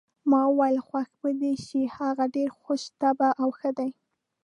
ما وویل: خوښه به دې شي، هغه ډېره خوش طبع او ښه ده.